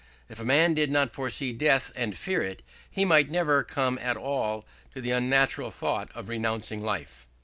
If a man did not foresee death and fear it, he might never come at all to the unnatural thought of renouncing life.